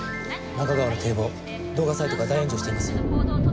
中川の堤防動画サイトが大炎上しています。